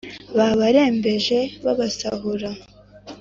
Babarembeje babasahura